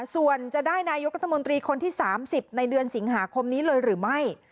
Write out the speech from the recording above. ส่วนจะได้นายกรัฐมนตรีคนที่๓๐ในเดือนสิงหาคมนี้เลยหรือไม่